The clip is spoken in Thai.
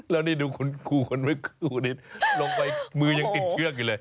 แล้วนี่ดูคุณครูคนเมื่อครูนี้ลงไปมือยังติดเชือกอยู่เลย